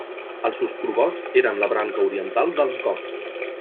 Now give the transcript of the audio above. Els ostrogots eren la branca oriental dels gots.